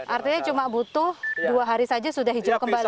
artinya cuma butuh dua hari saja sudah hijau kembali